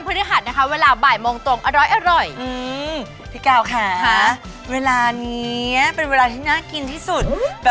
เป็นเวลาที่น่ากินที่สุด